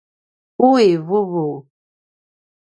uwi vuvu